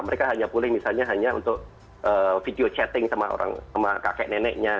mereka hanya boleh misalnya hanya untuk video chatting sama kakek neneknya